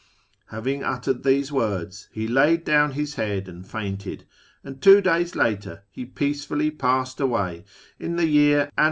Having uttered these words, he laid down his head and fainted, md two days later he peacefully passed away in the year \..H.